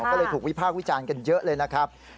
ก็เลยถูกวิพากษ์วิจารณ์กันเยอะเลยนะครับ